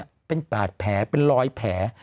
จนเป็นตราดแผลลอยแผล